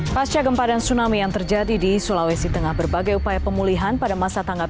pasca gempa dan tsunami yang terjadi di sulawesi tengah berbagai upaya pemulihan pada masa tanggap